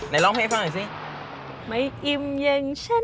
นายร้องเพลงให้ฟังหน่อยสิ